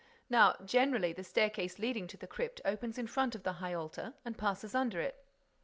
Now, generally, the staircase leading to the crypt opens in front of the high altar and passes under it."